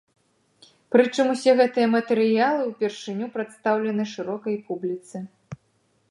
Прычым усе гэтыя матэрыялы ўпершыню прадстаўлены шырокай публіцы.